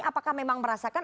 apakah memang merasakan